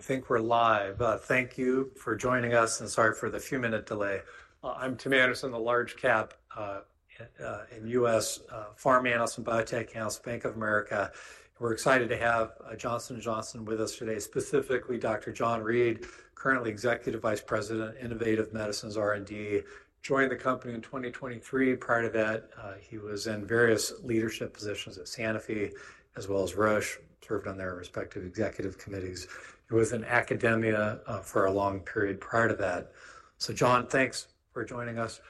Okay, I think we're live. Thank you for joining us, and sorry for the few-minute delay. I'm Tim Anderson, the large cap U.S. Pharma Analyst and Biotech House, Bank of America. We're excited to have Johnson & Johnson with us today, specifically Dr. John Reed, currently Executive Vice President, Innovative Medicines R&D, joined the company in 2023. Prior to that, he was in various leadership positions at Sanofi, as well as Roche, served on their respective executive committees. He was in academia for a long period prior to that. John, thanks for joining us.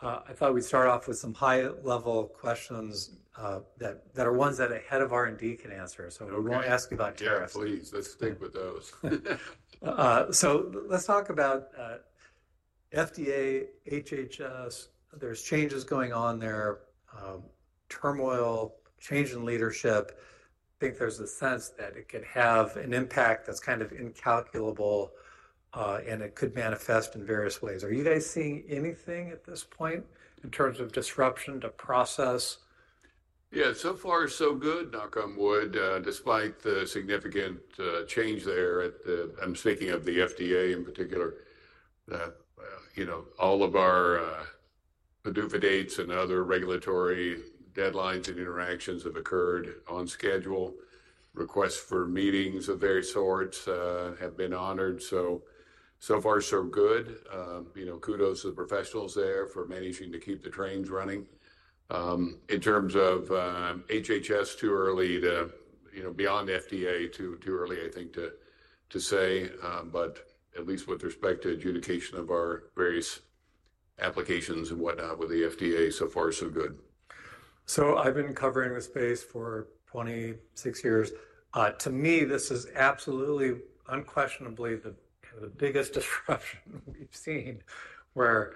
I thought we'd start off with some high-level questions that are ones that a head of R&D can answer. I won't ask you about tariffs. Please, let's stick with those. Let's talk about FDA, HHS. There are changes going on there, turmoil, change in leadership. I think there is a sense that it could have an impact that is kind of incalculable, and it could manifest in various ways. Are you guys seeing anything at this point in terms of disruption to process? Yeah, so far so good, knock on wood, despite the significant change there. I'm speaking of the FDA in particular. All of our adjuvant dates and other regulatory deadlines and interactions have occurred on schedule. Requests for meetings of various sorts have been honored. So far so good. Kudos to the professionals there for managing to keep the trains running. In terms of HHS, too early to, beyond FDA, too early, I think, to say. But at least with respect to adjudication of our various applications and whatnot with the FDA, so far so good. I've been covering this space for 26 years. To me, this is absolutely, unquestionably, the biggest disruption we've seen, where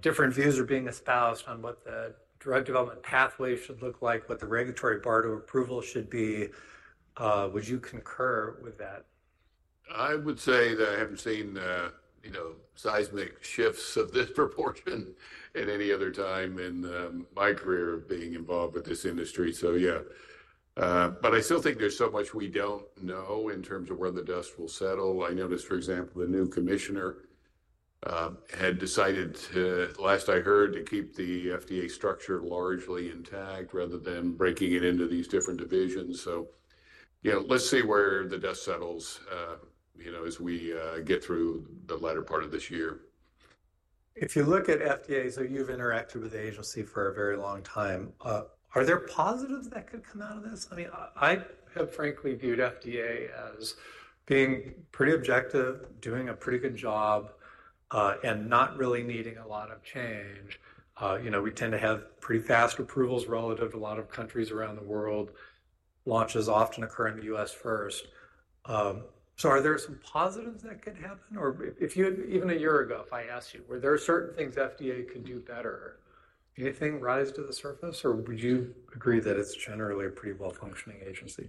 different views are being espoused on what the drug development pathway should look like, what the regulatory bar to approval should be. Would you concur with that? I would say that I haven't seen seismic shifts of this proportion at any other time in my career of being involved with this industry. Yeah. I still think there's so much we don't know in terms of where the dust will settle. I noticed, for example, the new commissioner had decided, last I heard, to keep the FDA structure largely intact rather than breaking it into these different divisions. Let's see where the dust settles as we get through the latter part of this year. If you look at FDA, you have interacted with the agency for a very long time. Are there positives that could come out of this? I mean, I have frankly viewed FDA as being pretty objective, doing a pretty good job, and not really needing a lot of change. We tend to have pretty fast approvals relative to a lot of countries around the world. Launches often occur in the U.S. first. Are there some positives that could happen? Even a year ago, if I asked you, were there certain things FDA could do better? Anything rise to the surface, or would you agree that it is generally a pretty well-functioning agency?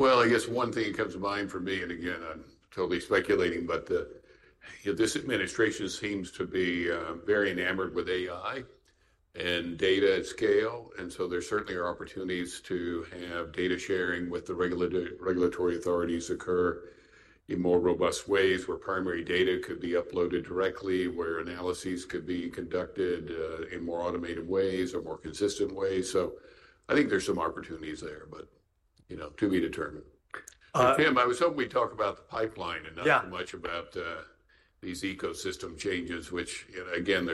I guess one thing that comes to mind for me, and again, I'm totally speculating, but this administration seems to be very enamored with AI and data at scale. There certainly are opportunities to have data sharing with the regulatory authorities occur in more robust ways where primary data could be uploaded directly, where analyses could be conducted in more automated ways or more consistent ways. I think there's some opportunities there, but to be determined. Tim, I was hoping we'd talk about the pipeline and not so much about these ecosystem changes, which, again,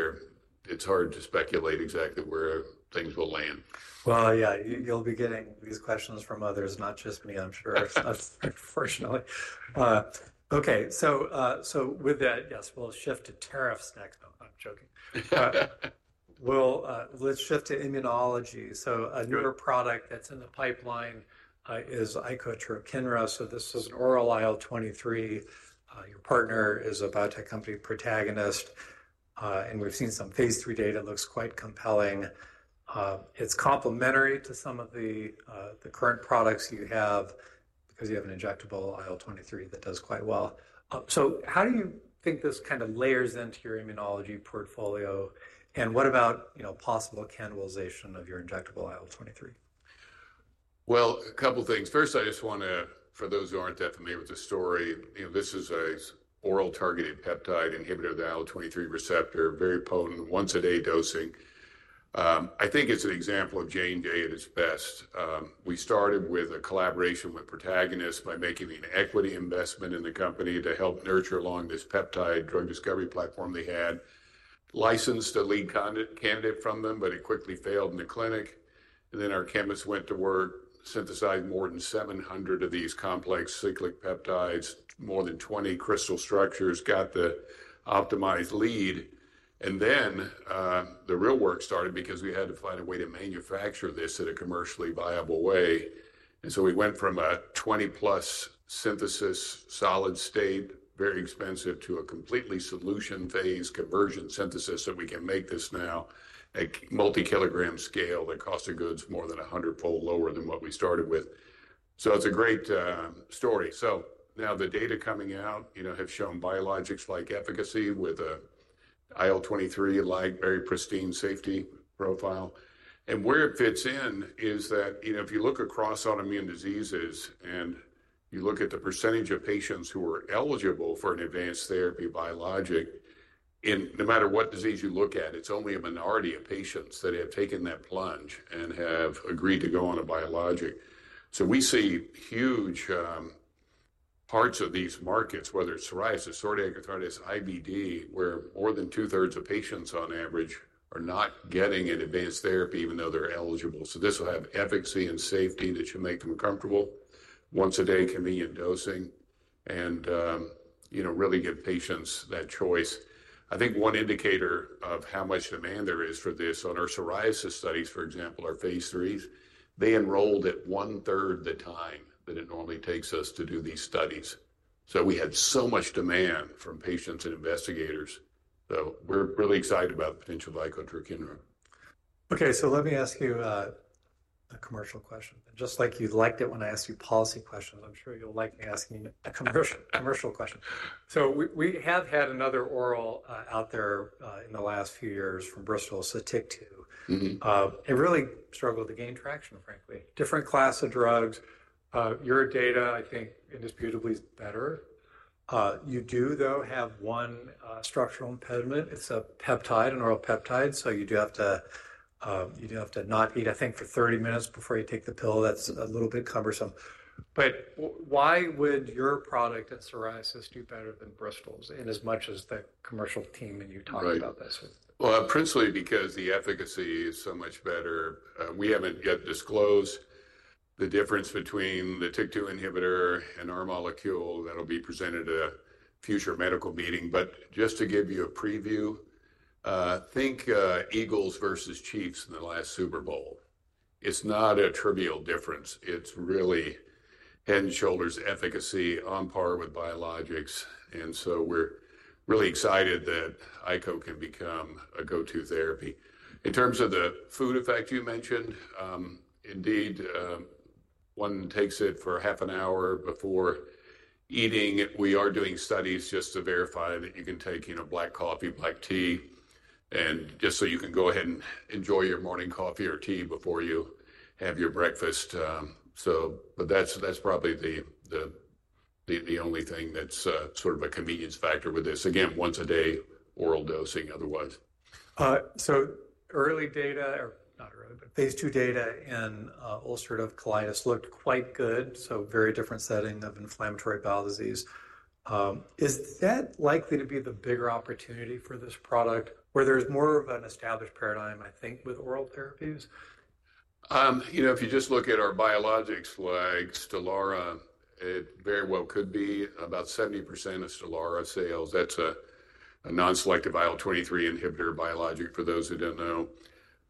it's hard to speculate exactly where things will land. Yeah, you'll be getting these questions from others, not just me, I'm sure, unfortunately. Okay, with that, yes, we'll shift to tariffs next. I'm joking. Let's shift to immunology. A newer product that's in the pipeline is ICOTRA/KINRA. This is an oral IL-23. Your partner is a biotech company, Protagonist. We've seen some phase III data. It looks quite compelling. It's complementary to some of the current products you have because you have an injectable IL-23 that does quite well. How do you think this kind of layers into your immunology portfolio? What about possible cannibalization of your injectable IL-23? A couple of things. First, I just want to, for those who aren't that familiar with the story, this is an oral targeted peptide inhibitor of the IL-23 receptor, very potent, once-a-day dosing. I think it's an example of J&J at its best. We started with a collaboration with protagonist by making an equity investment in the company to help nurture along this peptide drug discovery platform they had. Licensed a lead candidate from them, but it quickly failed in the clinic. Our chemists went to work, synthesized more than 700 of these complex cyclic peptides, more than 20 crystal structures, got the optimized lead. The real work started because we had to find a way to manufacture this in a commercially viable way. We went from a 20-plus synthesis solid state, very expensive, to a completely solution-phase conversion synthesis that we can make now at multi-kilogram scale. The cost of goods is more than 100-fold lower than what we started with. It is a great story. Now the data coming out have shown biologics-like efficacy with an IL-23-like, very pristine safety profile. Where it fits in is that if you look across autoimmune diseases and you look at the percentage of patients who are eligible for an advanced therapy biologic, no matter what disease you look at, it is only a minority of patients that have taken that plunge and have agreed to go on a biologic. We see huge parts of these markets, whether it's psoriasis, psoriatic arthritis, IBD, where more than two-thirds of patients on average are not getting an advanced therapy even though they're eligible. This will have efficacy and safety that should make them comfortable. Once-a-day convenient dosing and really give patients that choice. I think one indicator of how much demand there is for this, on our psoriasis studies, for example, our phase III's, they enrolled at one-third the time that it normally takes us to do these studies. We had so much demand from patients and investigators. We're really excited about the potential of ICOTRA/KINRA. Okay, let me ask you a commercial question. Just like you liked it when I asked you policy questions, I'm sure you'll like me asking a commercial question. We have had another oral out there in the last few years from Bristol, Sotyktu. It really struggled to gain traction, frankly. Different class of drugs. Your data, I think, indisputably is better. You do, though, have one structural impediment. It's a peptide, an oral peptide. You do have to not eat, I think, for 30 minutes before you take the pill. That's a little bit cumbersome. Why would your product at psoriasis do better than Bristol's? As much as the commercial team and you talked about this. Principally because the efficacy is so much better. We have not yet disclosed the difference between the TYK2 inhibitor and our molecule; that will be presented at a future medical meeting. Just to give you a preview, think Eagles versus Chiefs in the last Super Bowl. It is not a trivial difference. It is really head and shoulders efficacy on par with biologics. We are really excited that ICO can become a go-to therapy. In terms of the food effect you mentioned, indeed, one takes it for half an hour before eating. We are doing studies just to verify that you can take black coffee, black tea, and just so you can go ahead and enjoy your morning coffee or tea before you have your breakfast. That is probably the only thing that is sort of a convenience factor with this. Again, once-a-day oral dosing, otherwise. Early data, or not early, but phase II data in ulcerative colitis looked quite good. Very different setting of inflammatory bowel disease. Is that likely to be the bigger opportunity for this product where there is more of an established paradigm, I think, with oral therapies? If you just look at our biologics like Stelara, it very well could be about 70% of Stelara sales. That's a non-selective IL-23 inhibitor biologic, for those who don't know.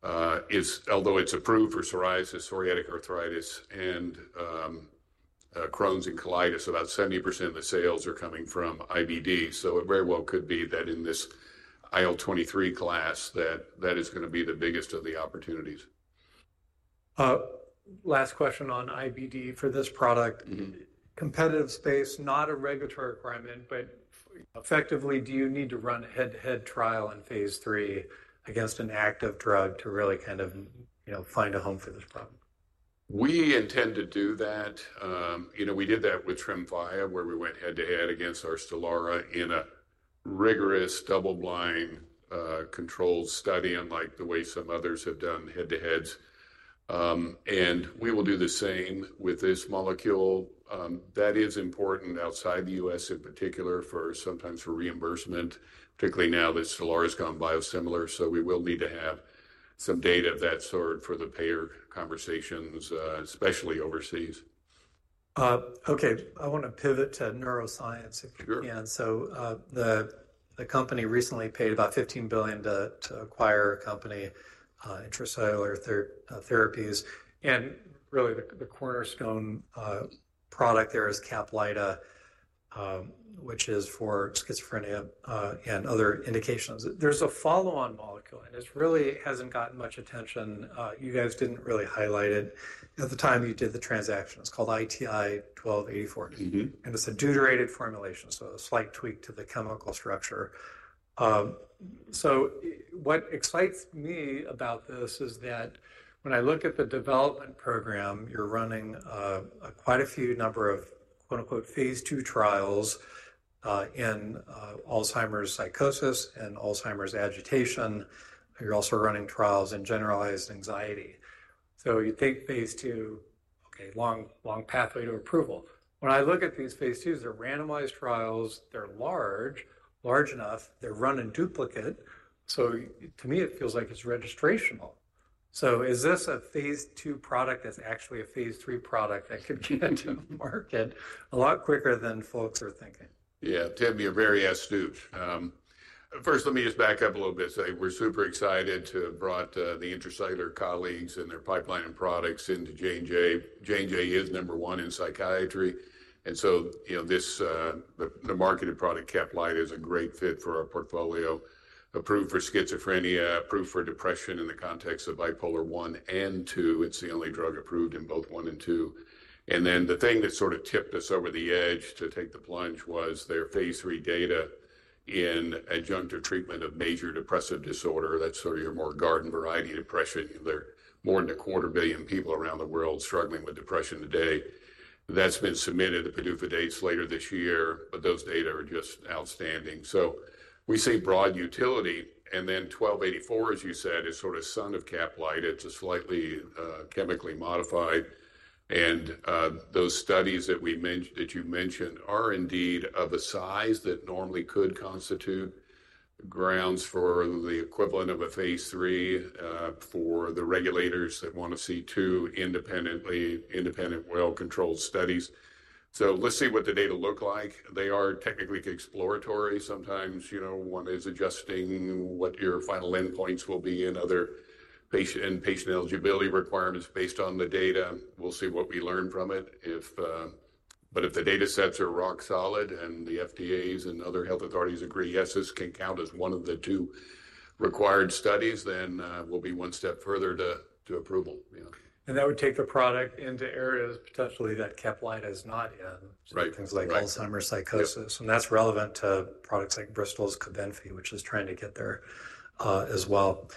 Although it's approved for psoriasis, psoriatic arthritis, and Crohn's and colitis, about 70% of the sales are coming from IBD. It very well could be that in this IL-23 class, that is going to be the biggest of the opportunities. Last question on IBD for this product. Competitive space, not a regulatory requirement, but effectively, do you need to run a head-to-head trial in phase III against an active drug to really kind of find a home for this product? We intend to do that. We did that with Tremfya, where we went head-to-head against our Stelara in a rigorous double-blind controlled study unlike the way some others have done head-to-heads. We will do the same with this molecule. That is important outside the U.S. in particular for sometimes for reimbursement, particularly now that Stelara has gone biosimilar. We will need to have some data of that sort for the payer conversations, especially overseas. Okay, I want to pivot to neuroscience. Sure. The company recently paid about $15 billion to acquire a company, Intra-Cellular Therapies. And really, the cornerstone product there is Caplyta, which is for schizophrenia and other indications. There's a follow-on molecule, and it really hasn't gotten much attention. You guys didn't really highlight it at the time you did the transaction. It's called ITI-1284. And it's a deuterated formulation, so a slight tweak to the chemical structure. What excites me about this is that when I look at the development program, you're running quite a few number of phase II trials in Alzheimer's psychosis and Alzheimer's agitation. You're also running trials in generalized anxiety. You think phase II, okay, long pathway to approval. When I look at these phase II's, they're randomized trials. They're large, large enough. They're run in duplicate. To me, it feels like it's registrational. Is this a phase II product that's actually a phase III product that could get to the market a lot quicker than folks are thinking? Yeah, to be very astute. First, let me just back up a little bit. We're super excited to have brought the Intra-Cellular colleagues and their pipeline and products into J&J. J&J is number one in psychiatry. And so the marketed product Caplyta is a great fit for our portfolio. Approved for schizophrenia, approved for depression in the context of bipolar I and II. It's the only drug approved in both I and II. The thing that sort of tipped us over the edge to take the plunge was their phase III data in adjunctive treatment of major depressive disorder. That's sort of your more garden-variety depression. There are more than a quarter billion people around the world struggling with depression today. That's been submitted to PDUFA dates later this year, but those data are just outstanding. We see broad utility. 1284, as you said, is sort of son of Caplyta. It's a slightly chemically modified. Those studies that you mentioned are indeed of a size that normally could constitute grounds for the equivalent of a phase III for the regulators that want to see two independent well-controlled studies. Let's see what the data look like. They are technically exploratory. Sometimes one is adjusting what your final endpoints will be and other patient eligibility requirements based on the data. We'll see what we learn from it. If the data sets are rock solid and the FDAs and other health authorities agree, yes, this can count as one of the two required studies, then we'll be one step further to approval. That would take the product into areas potentially that Caplyta is not in, things like Alzheimer's psychosis. That is relevant to products like Bristol's Cabenfy, which is trying to get there as well.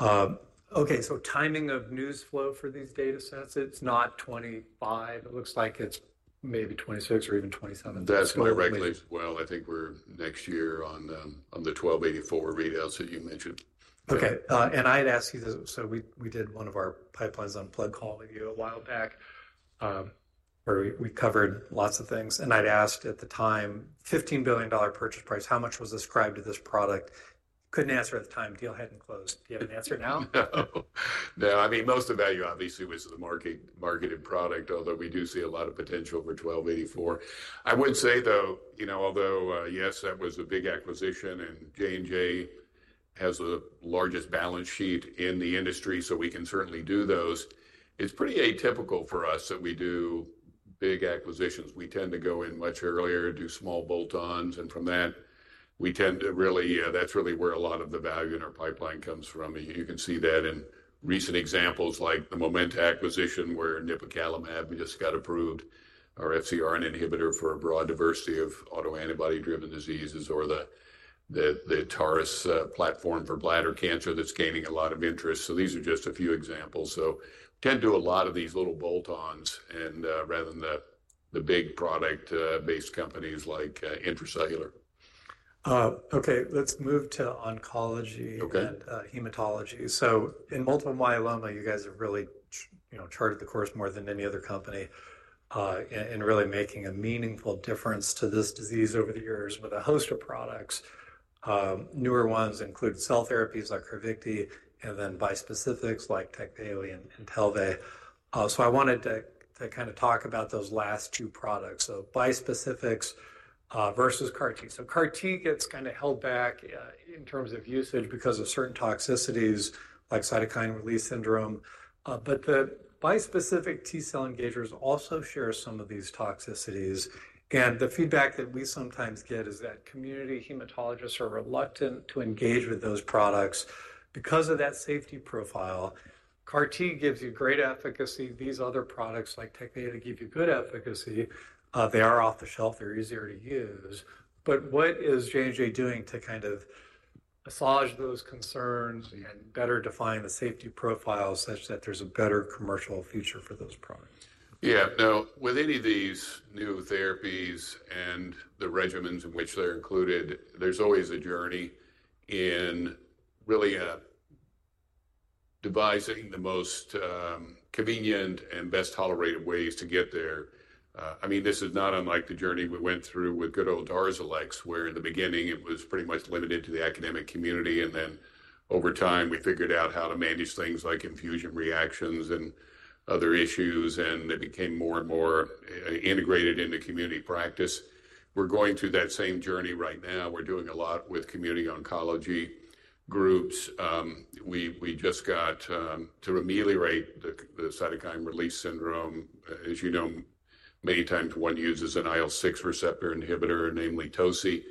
Okay, timing of news flow for these data sets. It is not 2025. It looks like it is maybe 2026 or even 2027. That's correct. I think we're next year on the 1284 readouts that you mentioned. Okay. I had asked you this. We did one of our pipelines on plug call with you a while back, where we covered lots of things. I had asked at the time, $15 billion purchase price, how much was ascribed to this product? Could not answer at the time. Deal had not closed. Do you have an answer now? No. No. I mean, most of the value obviously was the marketed product, although we do see a lot of potential for 1284. I would say, though, although yes, that was a big acquisition, and J&J has the largest balance sheet in the industry, so we can certainly do those. It is pretty atypical for us that we do big acquisitions. We tend to go in much earlier, do small bolt-ons. From that, we tend to really—that is really where a lot of the value in our pipeline comes from. You can see that in recent examples like the Momenta acquisition, where Nipocalimab just got approved, our FcRn inhibitor for a broad diversity of autoantibody-driven diseases, or the TARS platform for bladder cancer that is gaining a lot of interest. These are just a few examples. We tend to do a lot of these little bolt-ons rather than the big product-based companies like Intra-Cellular. Okay, let's move to oncology and hematology. In multiple myeloma, you guys have really charted the course more than any other company in really making a meaningful difference to this disease over the years with a host of products. Newer ones include cell therapies like Crevisti, and then bispecifics like Tecvayli and Talvey. I wanted to kind of talk about those last two products. Bispecifics versus CAR-T. CAR-T gets kind of held back in terms of usage because of certain toxicities like cytokine release syndrome. The bispecific T-cell engagers also share some of these toxicities. The feedback that we sometimes get is that community hematologists are reluctant to engage with those products because of that safety profile. CAR-T gives you great efficacy. These other products like Tecvayli give you good efficacy. They are off the shelf. They're easier to use. What is J&J doing to kind of massage those concerns and better define the safety profile such that there's a better commercial future for those products? Yeah. Now, with any of these new therapies and the regimens in which they're included, there's always a journey in really devising the most convenient and best tolerated ways to get there. I mean, this is not unlike the journey we went through with good old Darzalex, where in the beginning, it was pretty much limited to the academic community. Over time, we figured out how to manage things like infusion reactions and other issues, and it became more and more integrated into community practice. We're going through that same journey right now. We're doing a lot with community oncology groups. We just got to ameliorate the cytokine release syndrome. As you know, many times one uses an IL-6 receptor inhibitor, namely TOSI.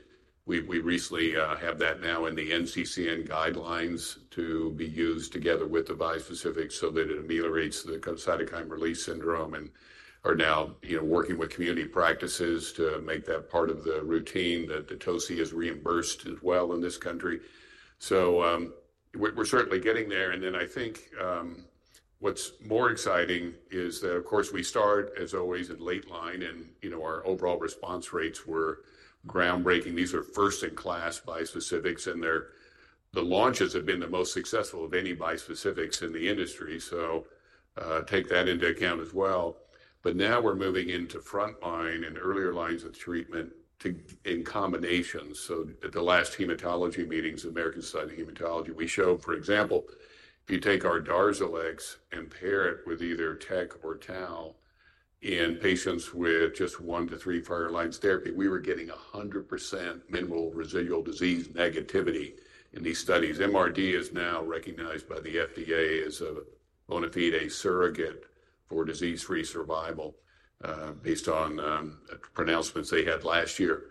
We recently have that now in the NCCN guidelines to be used together with the bispecific so that it ameliorates the cytokine release syndrome. We're now working with community practices to make that part of the routine that the TOSI is reimbursed as well in this country. We are certainly getting there. I think what's more exciting is that, of course, we start, as always, in late line. Our overall response rates were groundbreaking. These are first-in-class bispecifics. The launches have been the most successful of any bispecifics in the industry. Take that into account as well. Now we're moving into frontline and earlier lines of treatment in combination. At the last hematology meetings of American Society of Hematology, we showed, for example, if you take our Darzalex and pair it with either Tecvayli or Talvey in patients with just one to three prior lines of therapy, we were getting 100% minimal residual disease negativity in these studies. MRD is now recognized by the FDA as a bona fide surrogate for disease-free survival based on pronouncements they had last year.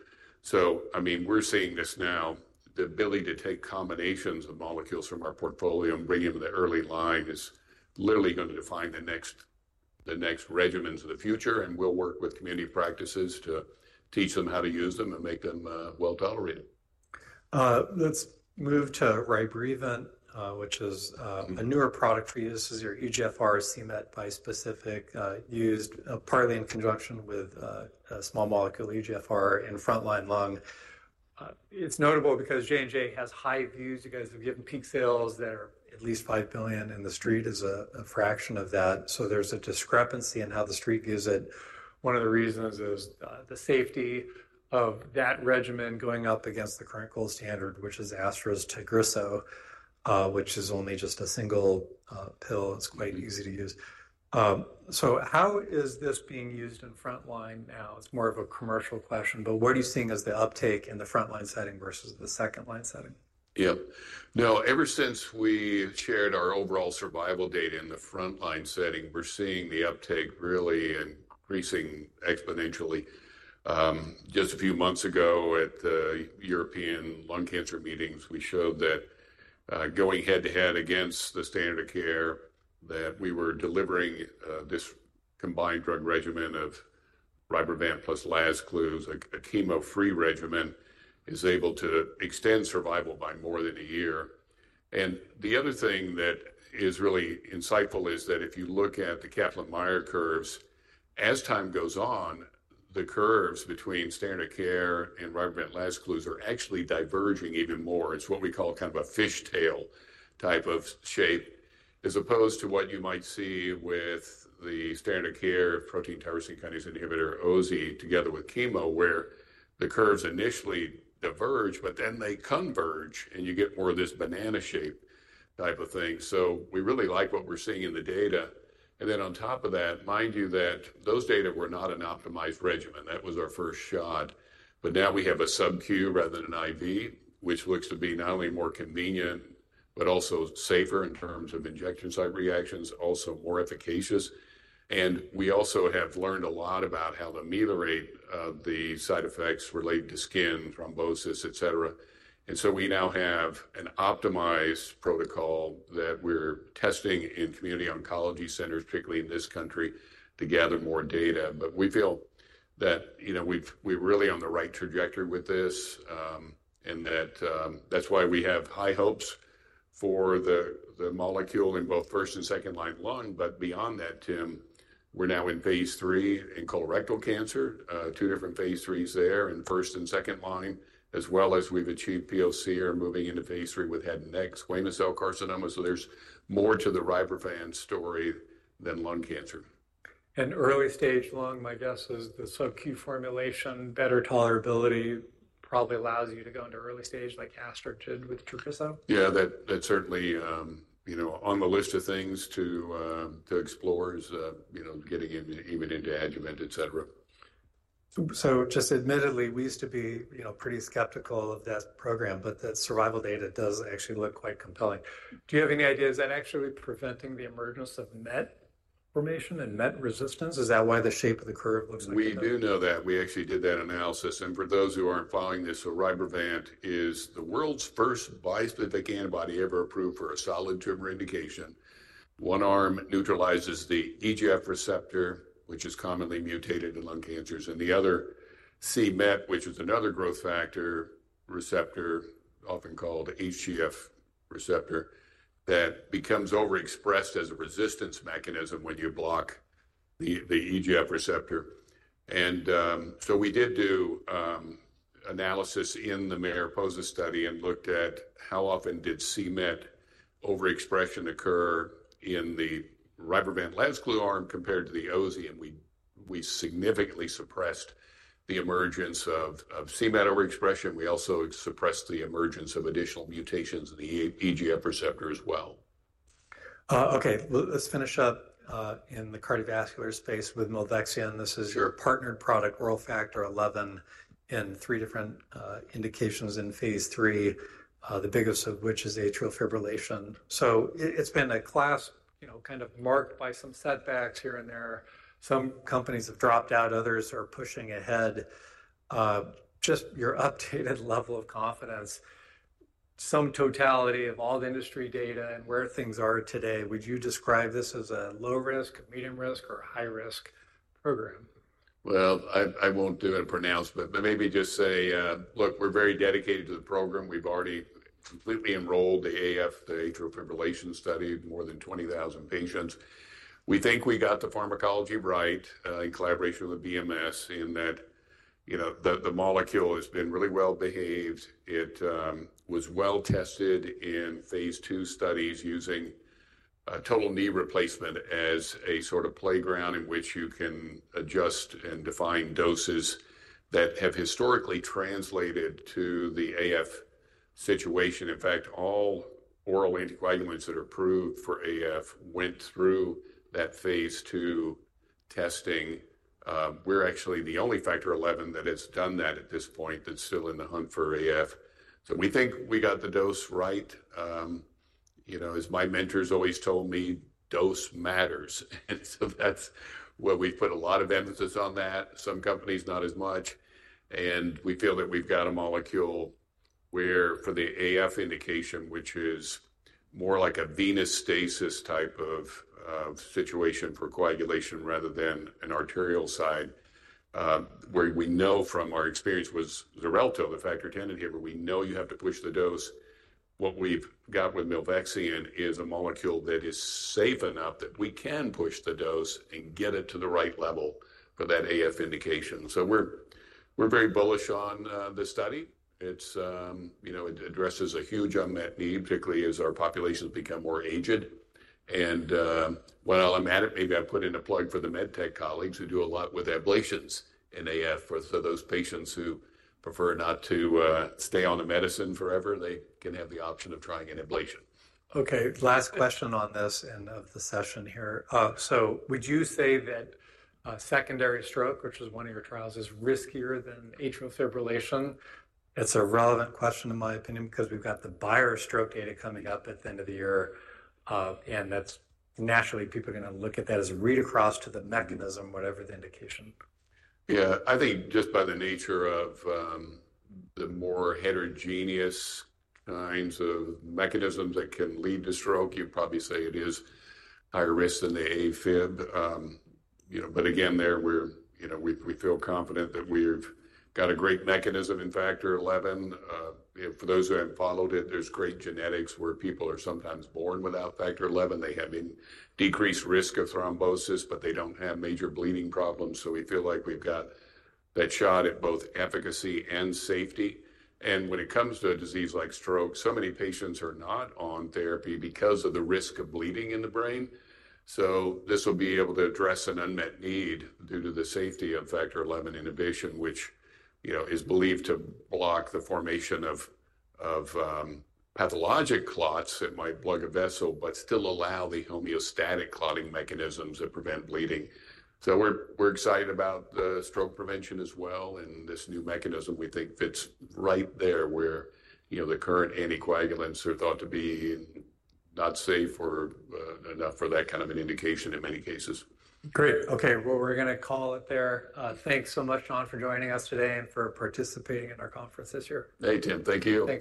I mean, we're seeing this now. The ability to take combinations of molecules from our portfolio and bring them to the early line is literally going to define the next regimens of the future. We'll work with community practices to teach them how to use them and make them well-tolerated. Let's move to Rybrevant, which is a newer product for you. This is your EGFR CMET bispecific used partly in conjunction with a small molecule EGFR in frontline lung. It's notable because J&J has high views. You guys have given peak sales that are at least $5 billion, and the street is a fraction of that. There is a discrepancy in how the street views it. One of the reasons is the safety of that regimen going up against the current gold standard, which is AstraZeneca's Tagrisso, which is only just a single pill. It's quite easy to use. How is this being used in frontline now? It's more of a commercial question, but what are you seeing as the uptake in the frontline setting versus the second line setting? Yep. Now, ever since we shared our overall survival data in the frontline setting, we're seeing the uptake really increasing exponentially. Just a few months ago at the European lung cancer meetings, we showed that going head-to-head against the standard of care, that we were delivering this combined drug regimen of Rybrevant plus Lazertinib, a chemo-free regimen, is able to extend survival by more than a year. The other thing that is really insightful is that if you look at the Kaplan-Meier curves, as time goes on, the curves between standard of care and Rybrevant and Lazertinib are actually diverging even more. It's what we call kind of a fishtail type of shape, as opposed to what you might see with the standard of care protein tyrosine kinase inhibitor, OZ, together with chemo, where the curves initially diverge, but then they converge, and you get more of this banana shape type of thing. We really like what we're seeing in the data. On top of that, mind you that those data were not an optimized regimen. That was our first shot. Now we have a subQ rather than an IV, which looks to be not only more convenient, but also safer in terms of injection site reactions, also more efficacious. We also have learned a lot about how to ameliorate the side effects related to skin, thrombosis, etc. We now have an optimized protocol that we're testing in community oncology centers, particularly in this country, to gather more data. We feel that we're really on the right trajectory with this and that that's why we have high hopes for the molecule in both first and second line lung. Beyond that, Tim, we're now in phase III in colorectal cancer, two different phase III there in first and second line, as well as we've achieved POC, are moving into phase III with head and neck squamous cell carcinoma. There's more to the Rybrevant story than lung cancer. Early stage lung, my guess is the subQ formulation, better tolerability, probably allows you to go into early stage like Astra did with Tagrisso? Yeah, that's certainly on the list of things to explore is getting even into adjuvant, etc. Just admittedly, we used to be pretty skeptical of that program, but that survival data does actually look quite compelling. Do you have any idea? Is that actually preventing the emergence of MET formation and MET resistance? Is that why the shape of the curve looks like that? We do know that. We actually did that analysis. And for those who aren't following this, so Rybrevant is the world's first bispecific antibody ever approved for a solid tumor indication. One arm neutralizes the EGFR, which is commonly mutated in lung cancers. And the other c-MET, which is another growth factor receptor, often called HGF receptor, that becomes overexpressed as a resistance mechanism when you block the EGFR. We did do analysis in the MARIPOSA study and looked at how often did c-MET overexpression occur in the Rybrevant-Lazertinib arm compared to the OS. We significantly suppressed the emergence of c-MET overexpression. We also suppressed the emergence of additional mutations in the EGFR as well. Okay. Let's finish up in the cardiovascular space with Movexion. This is your partnered product, oral Factor XI, in three different indications in phase III, the biggest of which is atrial fibrillation. It has been a class kind of marked by some setbacks here and there. Some companies have dropped out. Others are pushing ahead. Just your updated level of confidence, some totality of all the industry data and where things are today, would you describe this as a low-risk, medium-risk, or high-risk program? I won't do it pronounced, but maybe just say, look, we're very dedicated to the program. We've already completely enrolled the AF, the atrial fibrillation study, more than 20,000 patients. We think we got the pharmacology right in collaboration with BMS in that the molecule has been really well-behaved. It was well-tested in phase II studies using total knee replacement as a sort of playground in which you can adjust and define doses that have historically translated to the AF situation. In fact, all oral anticoagulants that are approved for AF went through that phase II testing. We're actually the only Factor XI that has done that at this point that's still in the hunt for AF. We think we got the dose right. As my mentors always told me, dose matters. That is where we've put a lot of emphasis on that. Some companies, not as much. We feel that we've got a molecule where for the AF indication, which is more like a venous stasis type of situation for coagulation rather than an arterial side, where we know from our experience with Xarelto, the Factor Xa inhibitor, we know you have to push the dose. What we've got with Movexion is a molecule that is safe enough that we can push the dose and get it to the right level for that AF indication. We are very bullish on the study. It addresses a huge unmet need, particularly as our populations become more aged. While I'm at it, maybe I'll put in a plug for the med tech colleagues who do a lot with ablations in AF for those patients who prefer not to stay on the medicine forever. They can have the option of trying an ablation. Okay. Last question on this and of the session here. Would you say that secondary stroke, which is one of your trials, is riskier than atrial fibrillation? It's a relevant question, in my opinion, because we've got the Bayer stroke data coming up at the end of the year. Naturally, people are going to look at that as a read across to the mechanism, whatever the indication. Yeah. I think just by the nature of the more heterogeneous kinds of mechanisms that can lead to stroke, you'd probably say it is higher risk than the AFib. Again, there we feel confident that we've got a great mechanism in Factor XI. For those who haven't followed it, there's great genetics where people are sometimes born without Factor XI. They have a decreased risk of thrombosis, but they don't have major bleeding problems. We feel like we've got that shot at both efficacy and safety. When it comes to a disease like stroke, so many patients are not on therapy because of the risk of bleeding in the brain. This will be able to address an unmet need due to the safety of Factor XI inhibition, which is believed to block the formation of pathologic clots that might plug a vessel, but still allow the homeostatic clotting mechanisms that prevent bleeding. We are excited about the stroke prevention as well. This new mechanism, we think, fits right there where the current anticoagulants are thought to be not safe or enough for that kind of an indication in many cases. Great. Okay. We're going to call it there. Thanks so much, John, for joining us today and for participating in our conference this year. Hey, Tim. Thank you.